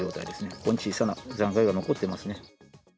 ここに小さな残骸が残ってますね。